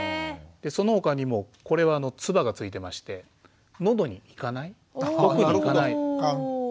そのほかにもこれはつばがついてましてのどに行かない奥に行かない